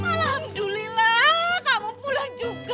alhamdulillah kamu pulang juga